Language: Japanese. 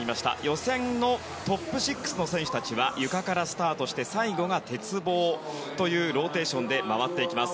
予選のトップ６の選手たちはゆかからスタートして最後が鉄棒というローテーションで回っていきます。